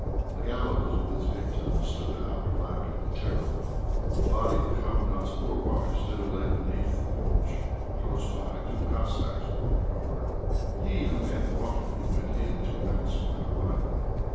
The gallows, with its victims, stood out black and terrible; the body of the Commandant's poor wife still lay beneath the porch, close by two Cossacks, who were on guard. He who had brought me went in to announce my arrival.